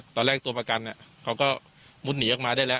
ตอนแรกตัวประกันเขาก็มุดหนีออกมาได้แล้ว